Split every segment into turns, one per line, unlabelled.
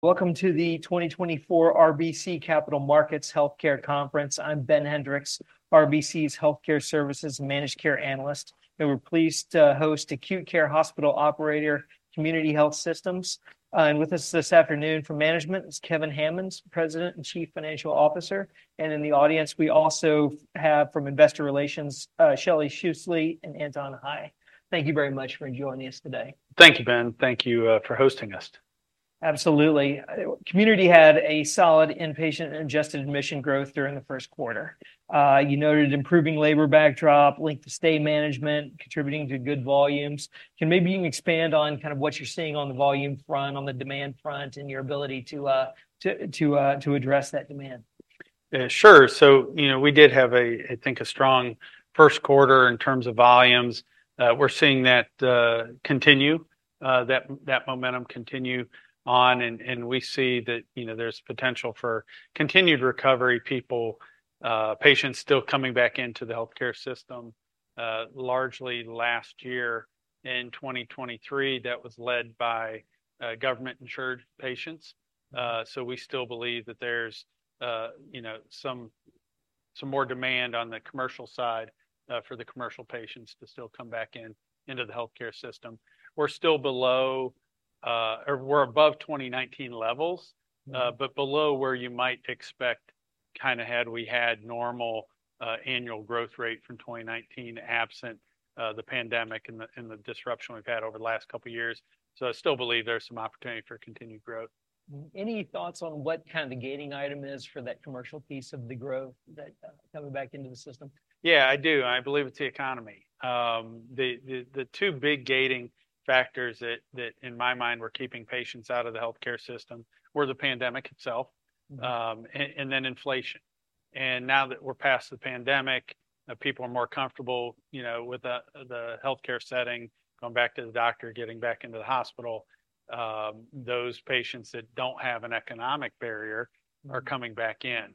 Welcome to the 2024 RBC Capital Markets Healthcare Conference. I'm Ben Hendricks, RBC's Healthcare Services Managed Care Analyst, and we're pleased to host Acute Care Hospital Operator Community Health Systems. With us this afternoon from management is Kevin Hammons, President and Chief Financial Officer, and in the audience we also have from Investor Relations Shelley Schussele and Anton Hie. Thank you very much for joining us today.
Thank you, Ben. Thank you for hosting us.
Absolutely. Community had a solid inpatient Adjusted Admission growth during the first quarter. You noted improving labor backdrop, length of stay management, contributing to good volumes. Can maybe you expand on kind of what you're seeing on the volume front, on the demand front, and your ability to address that demand?
Sure. So, you know, we did have a, I think, a strong first quarter in terms of volumes. We're seeing that continue, that momentum continue on, and we see that, you know, there's potential for continued recovery. People, patients still coming back into the healthcare system, largely last year in 2023 that was led by government-insured patients. So we still believe that there's, you know, some more demand on the commercial side for the commercial patients to still come back into the healthcare system. We're still below, or we're above 2019 levels, but below where you might expect kind of had we had normal annual growth rate from 2019 absent the pandemic and the disruption we've had over the last couple of years. So I still believe there's some opportunity for continued growth.
Any thoughts on what kind of the gating item is for that commercial piece of the growth that coming back into the system?
Yeah, I do. I believe it's the economy. The two big gating factors that, in my mind, were keeping patients out of the healthcare system were the pandemic itself and then inflation. Now that we're past the pandemic, people are more comfortable, you know, with the healthcare setting, going back to the doctor, getting back into the hospital. Those patients that don't have an economic barrier are coming back in.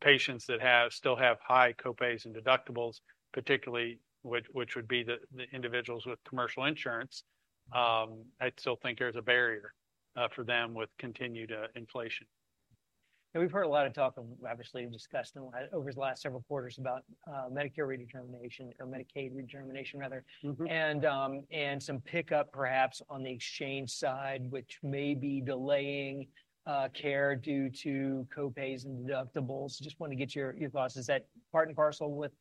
Patients that still have high copays and deductibles, particularly which would be the individuals with commercial insurance, I still think there's a barrier for them with continued inflation.
We've heard a lot of talk and obviously discussed over the last several quarters about Medicare redetermination, or Medicaid redetermination rather, and some pickup perhaps on the exchange side, which may be delaying care due to copays and deductibles. Just want to get your thoughts. Is that part and parcel with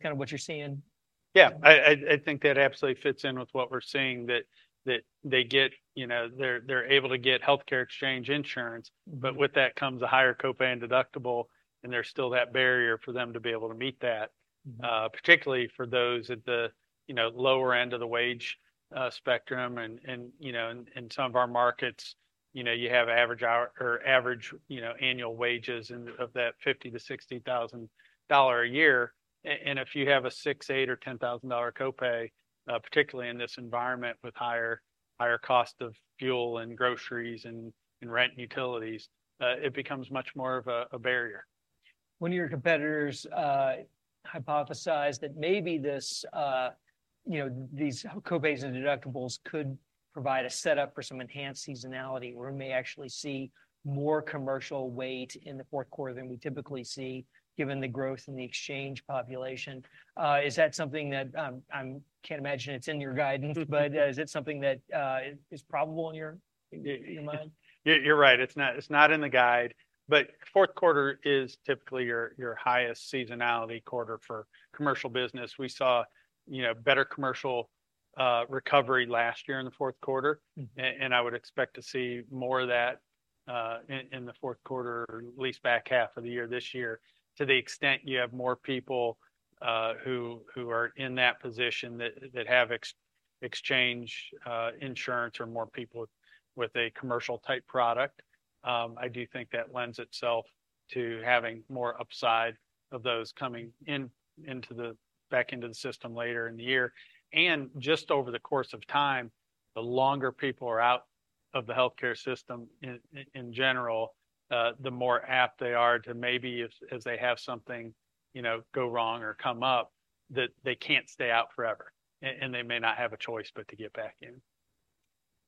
kind of what you're seeing?
Yeah, I think that absolutely fits in with what we're seeing, that they get, you know, they're able to get healthcare exchange insurance, but with that comes a higher copay and deductible, and there's still that barrier for them to be able to meet that, particularly for those at the, you know, lower end of the wage spectrum. And, you know, in some of our markets, you know, you have average hour or average, you know, annual wages of that $50,000-$60,000 a year. And if you have a $6,000, $8,000, or $10,000 copay, particularly in this environment with higher cost of fuel and groceries and rent and utilities, it becomes much more of a barrier.
One of your competitors hypothesized that maybe this, you know, these copays and deductibles could provide a setup for some enhanced seasonality where we may actually see more commercial weight in the fourth quarter than we typically see, given the growth in the exchange population. Is that something that I can't imagine it's in your guidance, but is it something that is probable in your mind?
You're right. It's not in the guide, but fourth quarter is typically your highest seasonality quarter for commercial business. We saw, you know, better commercial recovery last year in the fourth quarter, and I would expect to see more of that in the fourth quarter, at least back half of the year this year, to the extent you have more people who are in that position that have exchange insurance or more people with a commercial type product. I do think that lends itself to having more upside of those coming into the back into the system later in the year. Just over the course of time, the longer people are out of the healthcare system in general, the more apt they are to maybe, as they have something, you know, go wrong or come up, that they can't stay out forever, and they may not have a choice but to get back in.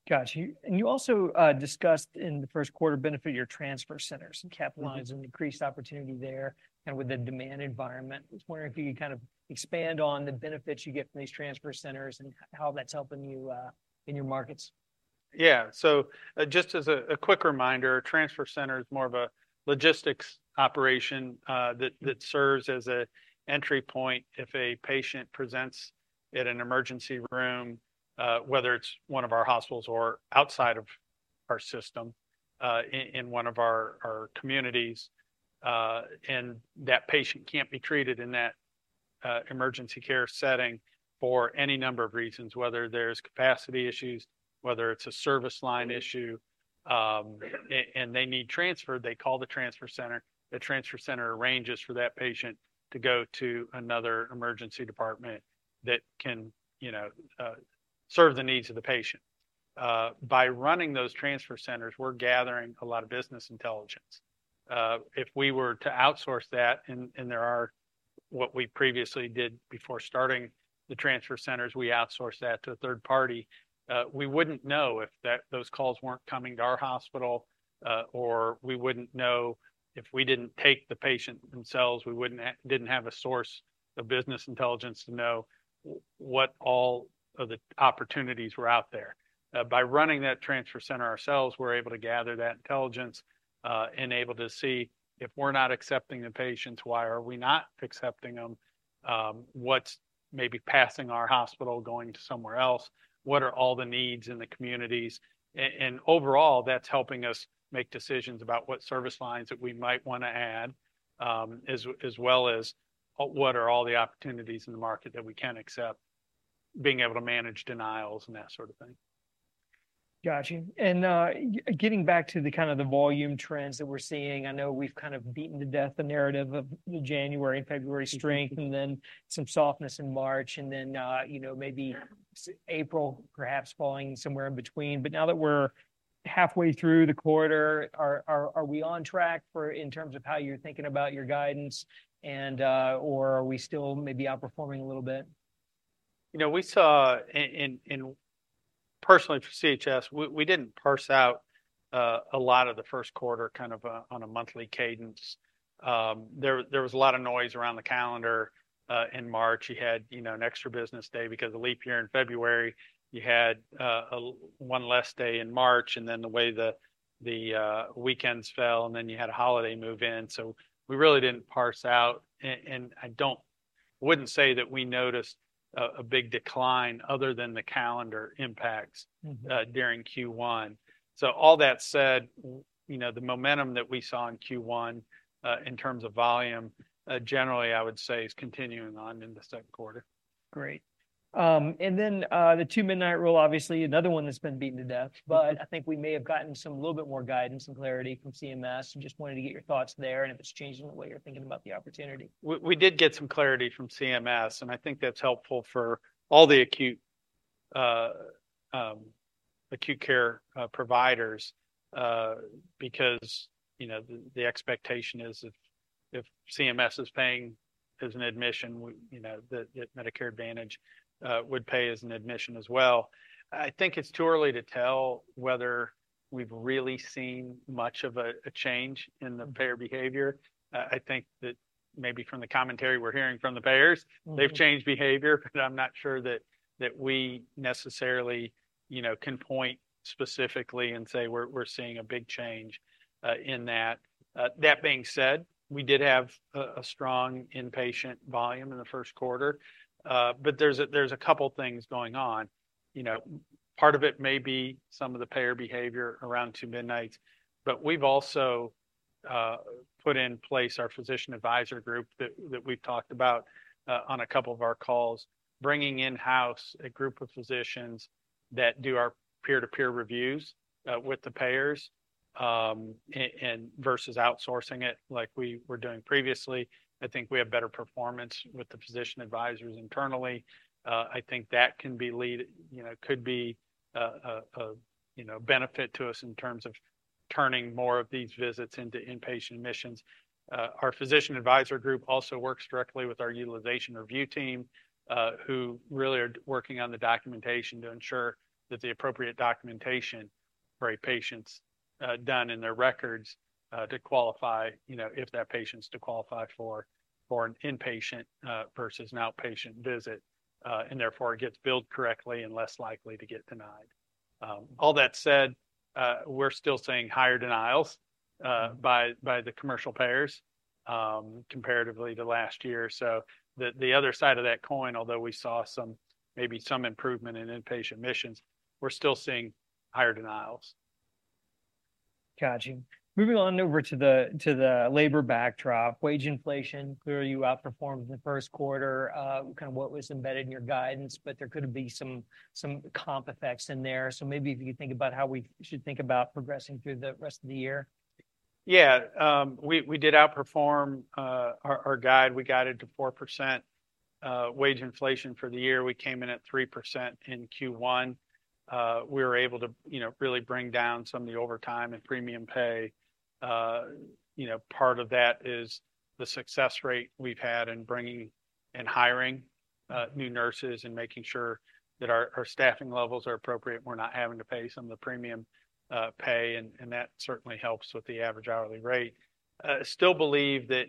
Gotcha. You also discussed in the first quarter benefit your transfer centers and capacity lines and increased opportunity there kind of with the demand environment. I was wondering if you could kind of expand on the benefits you get from these transfer centers and how that's helping you in your markets.
Yeah. So just as a quick reminder, Transfer Center is more of a logistics operation that serves as an entry point if a patient presents at an emergency room, whether it's one of our hospitals or outside of our system in one of our communities, and that patient can't be treated in that emergency care setting for any number of reasons, whether there's capacity issues, whether it's a service line issue, and they need transfer, they call the Transfer Center. The Transfer Center arranges for that patient to go to another emergency department that can, you know, serve the needs of the patient. By running those Transfer Centers, we're gathering a lot of business intelligence. If we were to outsource that, and there are what we previously did before starting the transfer centers, we outsource that to a third party, we wouldn't know if those calls weren't coming to our hospital, or we wouldn't know if we didn't take the patient themselves, we didn't have a source of business intelligence to know what all of the opportunities were out there. By running that transfer center ourselves, we're able to gather that intelligence and able to see if we're not accepting the patients, why are we not accepting them, what's maybe passing our hospital, going to somewhere else, what are all the needs in the communities. Overall, that's helping us make decisions about what service lines that we might want to add, as well as what are all the opportunities in the market that we can accept, being able to manage denials and that sort of thing.
Gotcha. Getting back to the kind of the volume trends that we're seeing, I know we've kind of beaten to death the narrative of the January and February strength and then some softness in March and then, you know, maybe April, perhaps falling somewhere in between. But now that we're halfway through the quarter, are we on track in terms of how you're thinking about your guidance, or are we still maybe outperforming a little bit?
You know, we saw, and personally for CHS, we didn't parse out a lot of the first quarter kind of on a monthly cadence. There was a lot of noise around the calendar. In March, you had, you know, an extra business day because of the leap year in February. You had one less day in March, and then the way the weekends fell, and then you had a holiday move in. So we really didn't parse out. And I wouldn't say that we noticed a big decline other than the calendar impacts during Q1. So all that said, you know, the momentum that we saw in Q1 in terms of volume, generally, I would say is continuing on into the second quarter.
Great. Then the Two-Midnight Rule, obviously, another one that's been beaten to death, but I think we may have gotten some a little bit more guidance and clarity from CMS. Just wanted to get your thoughts there and if it's changing the way you're thinking about the opportunity.
We did get some clarity from CMS, and I think that's helpful for all the acute care providers because, you know, the expectation is if CMS is paying as an admission, you know, that Medicare Advantage would pay as an admission as well. I think it's too early to tell whether we've really seen much of a change in the payer behavior. I think that maybe from the commentary we're hearing from the payers, they've changed behavior, but I'm not sure that we necessarily, you know, can point specifically and say we're seeing a big change in that. That being said, we did have a strong inpatient volume in the first quarter. But there's a couple of things going on. You know, part of it may be some of the payer behavior around two-midnight rule, but we've also put in place our physician advisor group that we've talked about on a couple of our calls, bringing in-house a group of physicians that do our peer-to-peer reviews with the payers versus outsourcing it like we were doing previously. I think we have better performance with the physician advisors internally. I think that can lead, you know, could be a, you know, benefit to us in terms of turning more of these visits into inpatient admissions. Our physician advisor group also works directly with our utilization review team, who really are working on the documentation to ensure that the appropriate documentation for a patient's done in their records to qualify, you know, if that patient's to qualify for an inpatient versus an outpatient visit, and therefore it gets billed correctly and less likely to get denied. All that said, we're still seeing higher denials by the commercial payers comparatively to last year. So the other side of that coin, although we saw maybe some improvement in inpatient admissions, we're still seeing higher denials.
Gotcha. Moving on over to the labor backdrop, wage inflation, clearly you outperformed in the first quarter, kind of what was embedded in your guidance, but there could have been some comp effects in there. So maybe if you think about how we should think about progressing through the rest of the year.
Yeah, we did outperform our guide. We guided to 4% wage inflation for the year. We came in at 3% in Q1. We were able to, you know, really bring down some of the overtime and premium pay. You know, part of that is the success rate we've had in bringing and hiring new nurses and making sure that our staffing levels are appropriate. We're not having to pay some of the premium pay, and that certainly helps with the average hourly rate. Still believe that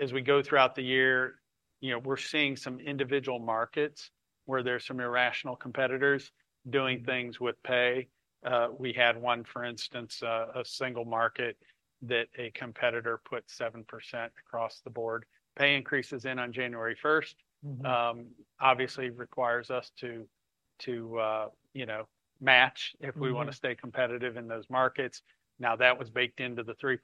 as we go throughout the year, you know, we're seeing some individual markets where there's some irrational competitors doing things with pay. We had one, for instance, a single market that a competitor put 7% across the board. Pay increases in on January 1st, obviously requires us to, you know, match if we want to stay competitive in those markets. Now, that was baked into the 3%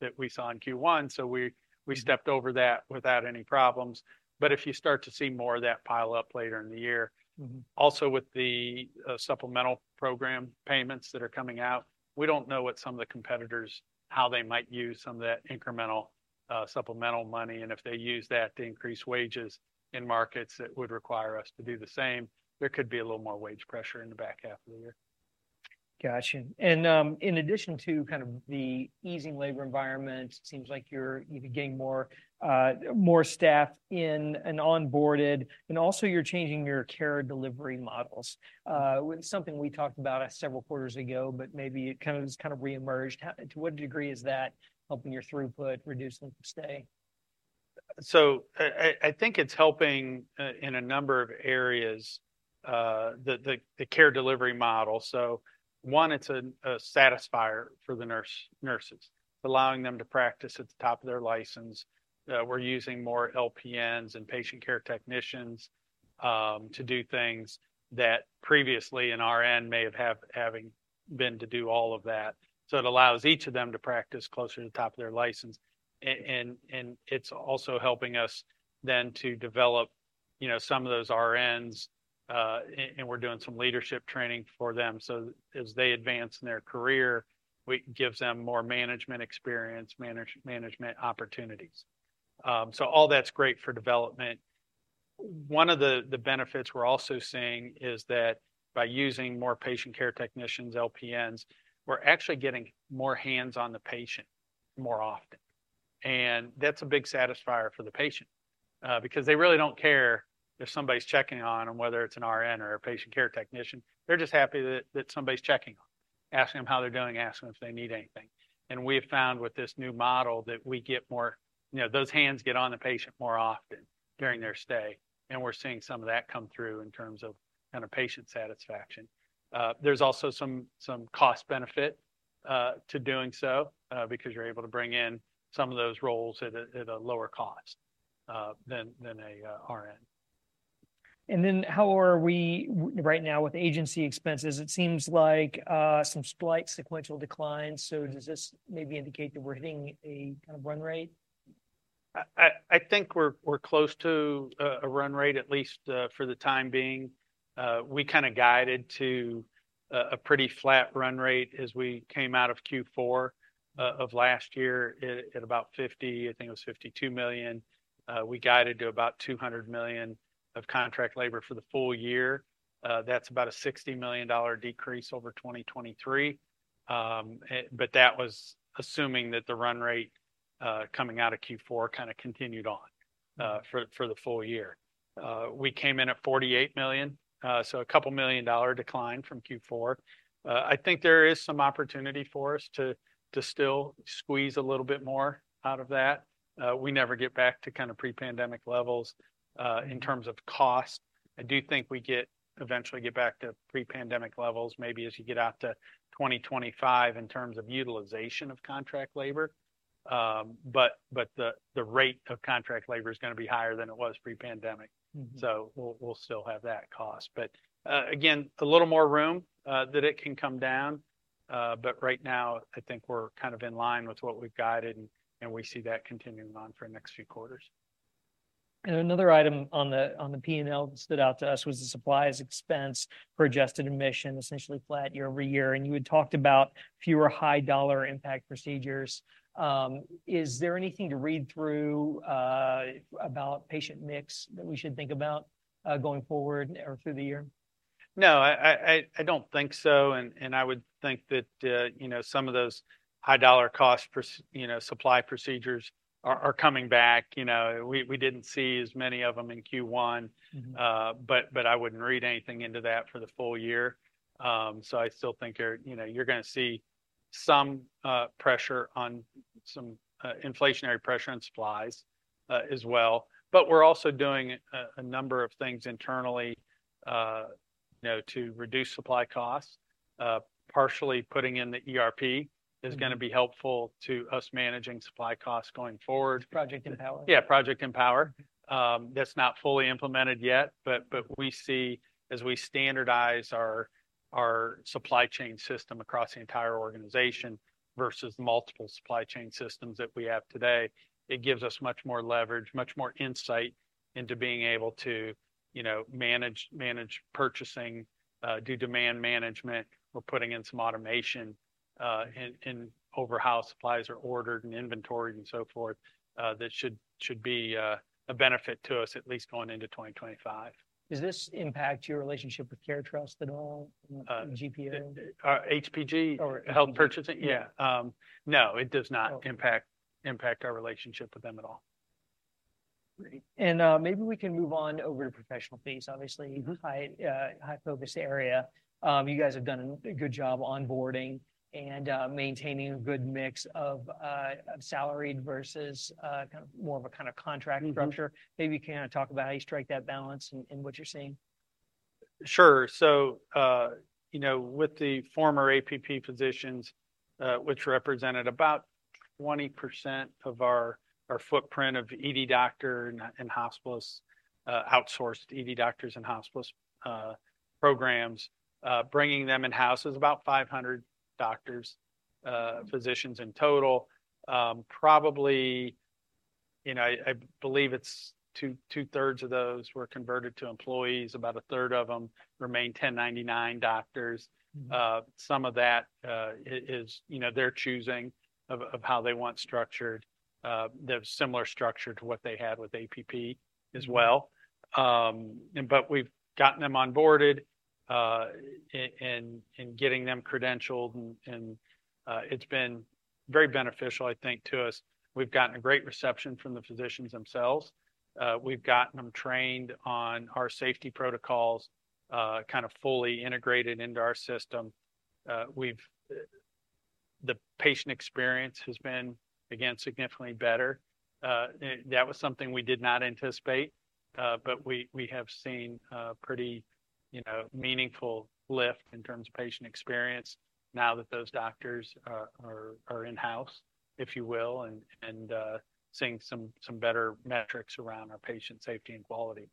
that we saw in Q1, so we stepped over that without any problems. But if you start to see more of that pile up later in the year, also with the supplemental program payments that are coming out, we don't know what some of the competitors, how they might use some of that incremental supplemental money, and if they use that to increase wages in markets that would require us to do the same, there could be a little more wage pressure in the back half of the year.
Gotcha. And in addition to kind of the easing labor environment, it seems like you're getting more staff in and onboarded, and also you're changing your care delivery models. Something we talked about several quarters ago, but maybe it kind of has kind of reemerged. To what degree is that helping your throughput, reducing stay?
So, I think it's helping in a number of areas, the care delivery model. So, one, it's a satisfier for the nurses. It's allowing them to practice at the top of their license. We're using more LPNs and patient care technicians to do things that previously an RN may have been doing all of that. So, it allows each of them to practice closer to the top of their license. And it's also helping us then to develop, you know, some of those RNs, and we're doing some leadership training for them. So, as they advance in their career, it gives them more management experience, management opportunities. So, all that's great for development. One of the benefits we're also seeing is that by using more patient care technicians, LPNs, we're actually getting more hands on the patient more often. That's a big satisfier for the patient because they really don't care if somebody's checking on them, whether it's an RN or a patient care technician. They're just happy that somebody's checking on them, asking them how they're doing, asking them if they need anything. We have found with this new model that we get more, you know, those hands get on the patient more often during their stay. We're seeing some of that come through in terms of kind of patient satisfaction. There's also some cost benefit to doing so because you're able to bring in some of those roles at a lower cost than an RN.
Then how are we right now with agency expenses? It seems like some slight sequential declines. Does this maybe indicate that we're hitting a kind of run rate?
I think we're close to a run rate, at least for the time being. We kind of guided to a pretty flat run rate as we came out of Q4 of last year at about 50, I think it was $52 million. We guided to about $200 million of contract labor for the full year. That's about a $60 million decrease over 2023. But that was assuming that the run rate coming out of Q4 kind of continued on for the full year. We came in at $48 million. So a couple million dollar decline from Q4. I think there is some opportunity for us to still squeeze a little bit more out of that. We never get back to kind of pre-pandemic levels in terms of cost. I do think we eventually get back to pre-pandemic levels, maybe as you get out to 2025 in terms of utilization of contract labor. But the rate of contract labor is going to be higher than it was pre-pandemic. So we'll still have that cost. But again, a little more room that it can come down. But right now, I think we're kind of in line with what we've guided, and we see that continuing on for the next few quarters.
Another item on the P&L that stood out to us was the supplies expense for Adjusted Admission, essentially flat year-over-year. You had talked about fewer high-dollar impact procedures. Is there anything to read through about patient mix that we should think about going forward or through the year?
No, I don't think so. And I would think that, you know, some of those high dollar cost, you know, supply procedures are coming back. You know, we didn't see as many of them in Q1. But I wouldn't read anything into that for the full year. So I still think, you know, you're going to see some pressure on some inflationary pressure on supplies as well. But we're also doing a number of things internally, you know, to reduce supply costs. Partially putting in the ERP is going to be helpful to us managing supply costs going forward.
Project Empower?
Yeah, Project Empower. That's not fully implemented yet, but we see as we standardize our supply chain system across the entire organization versus multiple supply chain systems that we have today, it gives us much more leverage, much more insight into being able to, you know, manage purchasing, do demand management. We're putting in some automation in over how supplies are ordered and inventoried and so forth. That should be a benefit to us, at least going into 2025.
Does this impact your relationship with HealthTrust at all? GPO?
HPG? Health Purchasing? Yeah. No, it does not impact our relationship with them at all.
Great. Maybe we can move on over to professional fees, obviously, high focus area. You guys have done a good job onboarding and maintaining a good mix of salaried versus kind of more of a kind of contract structure. Maybe you can kind of talk about how you strike that balance and what you're seeing.
Sure. So, you know, with the former APP physicians, which represented about 20% of our footprint of ED doctor and hospitalists, outsourced ED doctors and hospitalists programs, bringing them in-house is about 500 doctors, physicians in total. Probably, you know, I believe it's two-thirds of those were converted to employees. About a third of them remain 1099 doctors. Some of that is, you know, their choosing of how they want structured. They have a similar structure to what they had with APP as well. But we've gotten them onboarded and getting them credentialed. And it's been very beneficial, I think, to us. We've gotten a great reception from the physicians themselves. We've gotten them trained on our safety protocols, kind of fully integrated into our system. The patient experience has been, again, significantly better. That was something we did not anticipate. But we have seen a pretty, you know, meaningful lift in terms of patient experience now that those doctors are in-house, if you will, and seeing some better metrics around our patient safety and quality.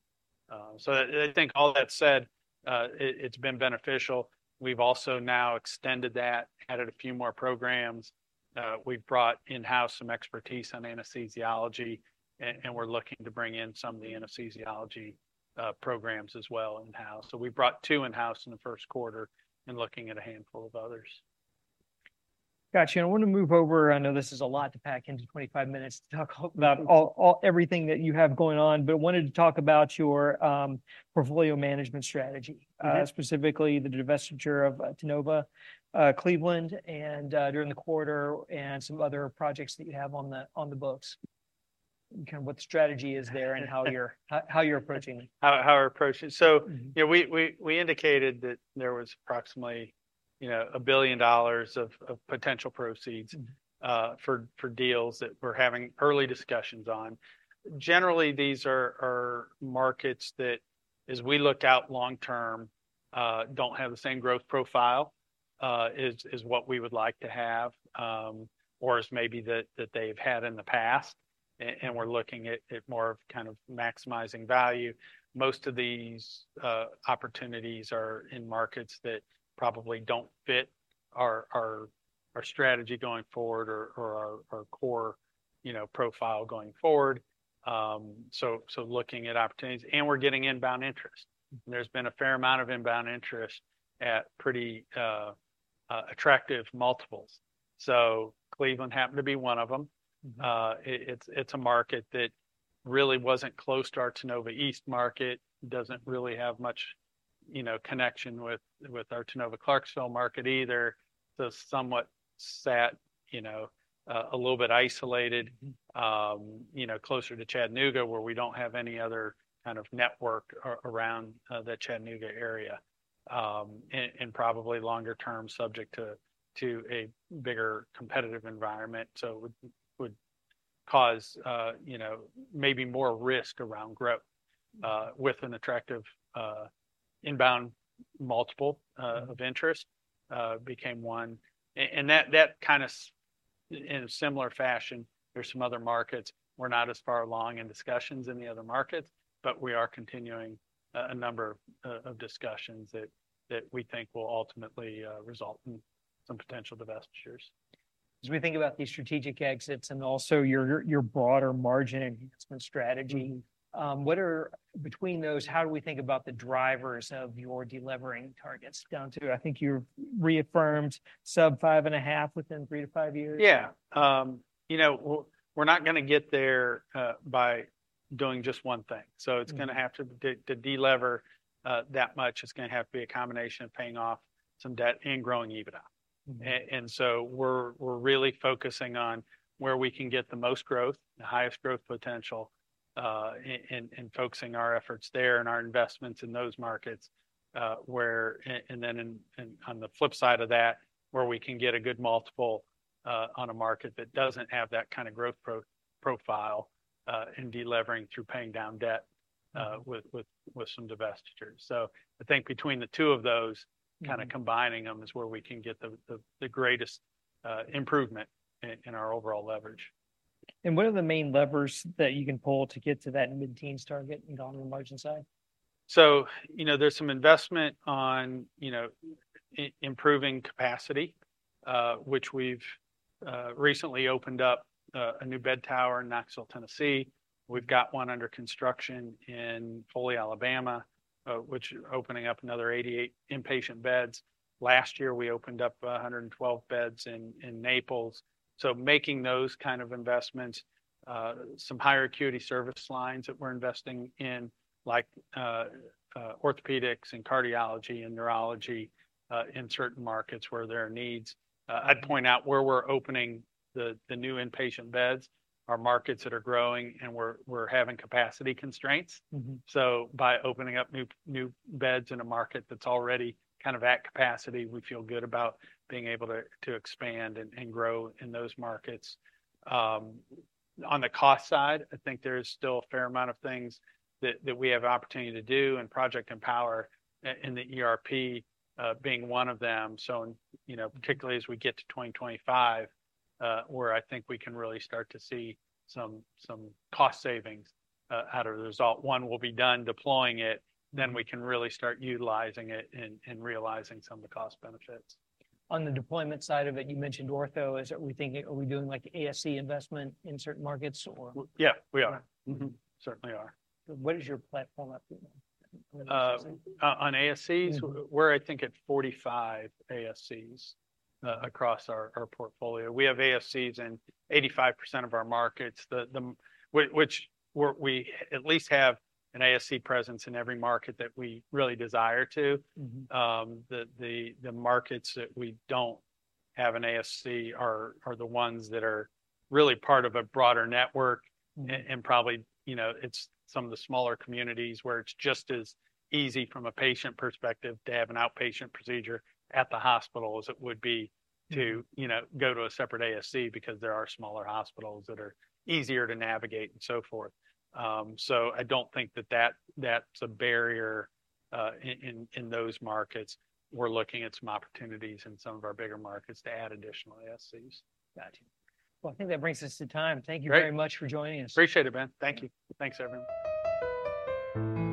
So I think all that said, it's been beneficial. We've also now extended that, added a few more programs. We've brought in-house some expertise on anesthesiology. And we're looking to bring in some of the anesthesiology programs as well in-house. So we brought 2 in-house in the first quarter and looking at a handful of others.
Gotcha. I want to move over. I know this is a lot to pack into 25 minutes to talk about everything that you have going on, but I wanted to talk about your portfolio management strategy, specifically the divestiture of Tennova Cleveland during the quarter and some other projects that you have on the books. Kind of what the strategy is there and how you're approaching it.
How we're approaching it. So, you know, we indicated that there was approximately, you know, $1 billion of potential proceeds for deals that we're having early discussions on. Generally, these are markets that, as we look out long term, don't have the same growth profile as what we would like to have. Or as maybe that they've had in the past. And we're looking at more of kind of maximizing value. Most of these opportunities are in markets that probably don't fit our strategy going forward or our core, you know, profile going forward. So looking at opportunities and we're getting inbound interest. And there's been a fair amount of inbound interest at pretty attractive multiples. So Cleveland happened to be one of them. It's a market that really wasn't close to our Tennova East market, doesn't really have much, you know, connection with our Tennova Clarksville market either. So somewhat set, you know, a little bit isolated, you know, closer to Chattanooga where we don't have any other kind of network around the Chattanooga area. And probably longer term subject to a bigger competitive environment. So it would cause, you know, maybe more risk around growth with an attractive inbound multiple of interest. It became one. And that kind of, in a similar fashion, there's some other markets. We're not as far along in discussions in the other markets. But we are continuing a number of discussions that we think will ultimately result in some potential divestitures.
As we think about these strategic exits and also your broader margin enhancement strategy, what are between those, how do we think about the drivers of your delivering targets down to, I think you reaffirmed sub 5.5% within three to five years?
Yeah. You know, we're not going to get there by doing just one thing. So it's going to have to deliver that much. It's going to have to be a combination of paying off some debt and growing EBITDA. And so we're really focusing on where we can get the most growth, the highest growth potential, and focusing our efforts there and our investments in those markets. And then on the flip side of that, where we can get a good multiple on a market that doesn't have that kind of growth profile, in delivering through paying down debt with some divestitures. So I think between the two of those, kind of combining them is where we can get the greatest improvement in our overall leverage.
What are the main levers that you can pull to get to that mid-teens target and go on the margin side?
So, you know, there's some investment on, you know, improving capacity, which we've recently opened up a new bed tower in Knoxville, Tennessee. We've got one under construction in Foley, Alabama, which is opening up another 88 inpatient beds. Last year, we opened up 112 beds in Naples. So making those kind of investments, some higher acuity service lines that we're investing in, like orthopedics and cardiology and neurology in certain markets where there are needs. I'd point out where we're opening the new inpatient beds are markets that are growing and we're having capacity constraints. So by opening up new beds in a market that's already kind of at capacity, we feel good about being able to expand and grow in those markets. On the cost side, I think there's still a fair amount of things that we have the opportunity to do and Project Empower in the ERP being one of them. So, you know, particularly as we get to 2025, where I think we can really start to see some cost savings out of the result. One will be done deploying it. Then we can really start utilizing it and realizing some of the cost benefits.
On the deployment side of it, you mentioned ortho. Are we doing like ASC investment in certain markets or?
Yeah, we are. Certainly are.
What is your platform up to now?
On ASCs, we're, I think, at 45 ASCs across our portfolio. We have ASCs in 85% of our markets, which we at least have an ASC presence in every market that we really desire to. The markets that we don't have an ASC are the ones that are really part of a broader network. And probably, you know, it's some of the smaller communities where it's just as easy from a patient perspective to have an outpatient procedure at the hospital as it would be to, you know, go to a separate ASC because there are smaller hospitals that are easier to navigate and so forth. So I don't think that that's a barrier in those markets. We're looking at some opportunities in some of our bigger markets to add additional ASCs.
Gotcha. Well, I think that brings us to time. Thank you very much for joining us.
Appreciate it, Ben. Thank you. Thanks, everyone.